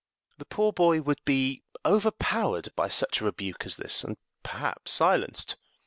The poor boy would be overpowered by such a rebuke as this, and perhaps silenced.